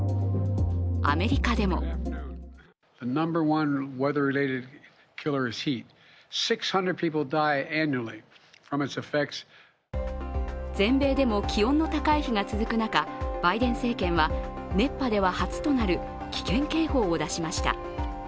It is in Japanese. アメリカでも全米でも気温の高い日が続く中、バイデン政権は熱波では初となる危険警報を出しました。